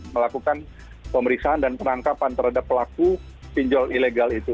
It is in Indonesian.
melakukan pemeriksaan dan penangkapan terhadap pelaku pinjol ilegal itu